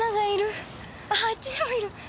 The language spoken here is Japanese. ああっちにもいる。